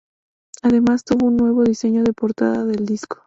Además, tiene nuevo diseño de portada del disco.